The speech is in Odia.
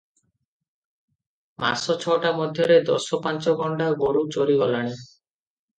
ମାସ ଛଅଟା ମଧ୍ୟରେ ଦଶ ପାଞ୍ଚ ଗଣ୍ଡା ଗୋରୁ ଚୋରି ଗଲାଣି ।